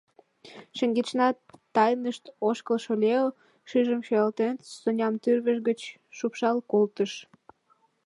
Шеҥгечна тайнышт ошкылшо Лео, шӱйжым шуялтен, Соням тӱрвыж гыч шупшал колтыш.